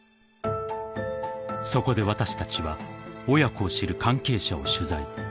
［そこで私たちは親子を知る関係者を取材］